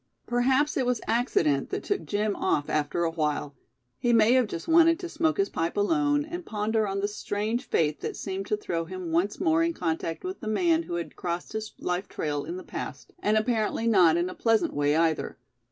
Perhaps it was accident that took Jim off after a while; he may have just wanted to smoke his pipe alone, and ponder on the strange fate that seemed to throw him once more in contact with the man who had crossed his life trail in the past, and apparently not in a pleasant way either.